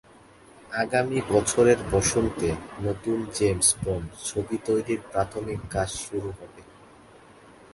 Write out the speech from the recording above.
আগামী বছরের বসন্তে নতুন জেমস বন্ড ছবি তৈরির প্রাথমিক কাজ শুরু হবে।